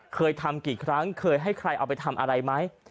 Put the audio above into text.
เคยทำกี่ครั้งเคยให้ใครเอาไปทำอะไรไหม